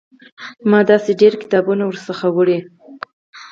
ما داسې ډېر کتابونه ترې وړي.